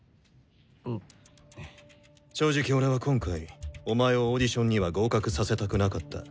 正直俺は今回お前をオーディションには合格させたくなかった。